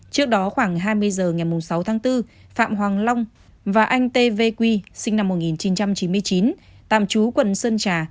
trước đó khoảng hai mươi h ngày sáu tháng bốn phạm hoàng long và anh tv quy sinh năm một nghìn chín trăm chín mươi chín tạm trú quận sơn trà